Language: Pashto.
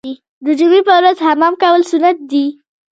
د جمعې په ورځ حمام کول سنت دي.